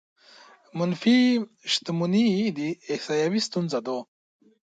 منفي شتمنۍ احصايوي ستونزه ده.